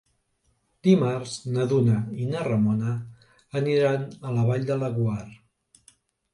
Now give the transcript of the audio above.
Dimarts na Duna i na Ramona aniran a la Vall de Laguar.